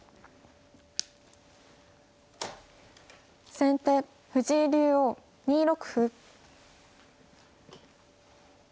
先手藤井竜王２六歩。